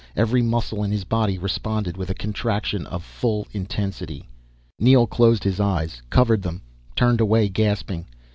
Every muscle in his body responded with a contraction of full intensity. Neel closed his eyes, covered them, turned away gasping.